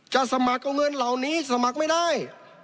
สมัครเอาเงินเหล่านี้สมัครไม่ได้